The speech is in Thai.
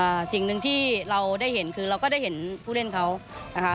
สิ่งหนึ่งที่เราได้เห็นคือเราก็ได้เห็นผู้เล่นเขานะคะ